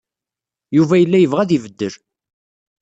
Yuba yella yebɣa ad ibeddel.